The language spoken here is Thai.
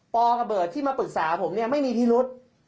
ปกระเบิดที่มาปรึกษาผมไม่มีทีรุษ